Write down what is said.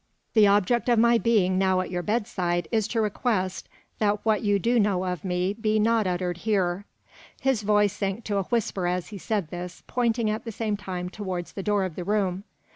The object of my being now at your bedside is to request that what you do know of me be not uttered here." His voice sank to a whisper as he said this, pointing at the same time towards the door of the room.